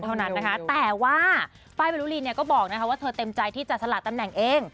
แต่ว่าฟ้ายเบลุลีนก็บอกว่าเธอเต็มใจที่จะสละตำแหน่งเอง